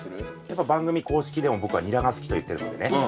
やっぱ番組公式でも僕はニラが好きと言ってるのでね。